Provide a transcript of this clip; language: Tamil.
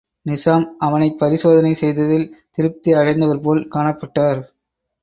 நிசாம், அவனைப் பரிசோதனை செய்ததில் திருப்தி அடைந்தவர் போல் காணப்பட்டார்.